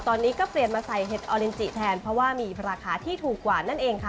ตอนนี้ก็เปลี่ยนมาใส่เห็ดออลินจิแทนเพราะว่ามีราคาที่ถูกกว่านั่นเองค่ะ